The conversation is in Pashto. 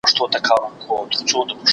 تبلیغاتي جګړې په مختلفو بڼو رواني دې؛